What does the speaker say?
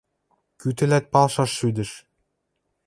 – Кӱ тӹлӓт палшаш шӱдӹш?